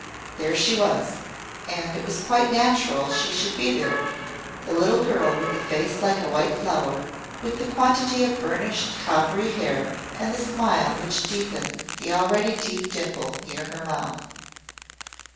There she was and it was quite natural she should be there the little girl with the face like a white flower, with the quantity of burnished coppery hair and the smile which deepened the already deep dimple near her mouth.